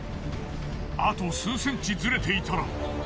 あと数センチズレていたら。